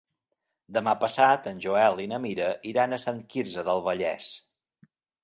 Demà passat en Joel i na Mira iran a Sant Quirze del Vallès.